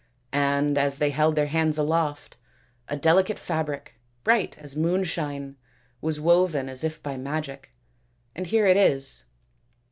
And as they held their hands aloft, a delicate fabric, bright as moonshine, was woven as if by magic, and here it is.